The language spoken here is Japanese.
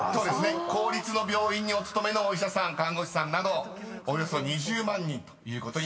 ［公立の病院にお勤めのお医者さん看護師さんなどおよそ２０万人となります］